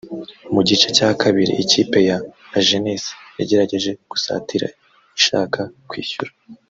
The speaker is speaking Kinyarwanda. Mu gice cya kabiri ikipe ya La jeunesse yagerageje gusatira ishaka kwishyura